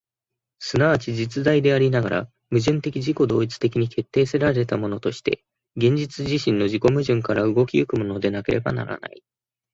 即ち実在でありながら、矛盾的自己同一的に決定せられたものとして、現実自身の自己矛盾から動き行くものでなければならない。